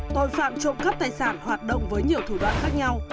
tội phạm trộm cắp tài sản hoạt động với nhiều thủ đoạn khác nhau